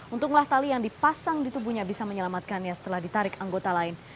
untunglah tali yang dipasang di tubuhnya bisa menyelamatkannya setelah ditarik anggota lain